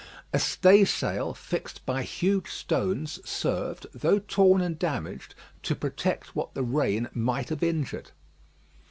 A stay sail, fixed by huge stones, served, though torn and damaged, to protect what the rain might have injured.